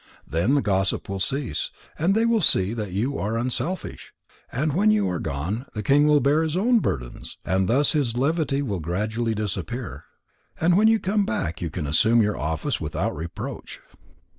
Then the gossip will cease, when they see that you are unselfish. And when you are gone, the king will bear his own burdens. And thus his levity will gradually disappear. And when you come back, you can assume your office without reproach."